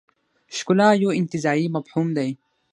ښکلا یو انتزاعي مفهوم دی.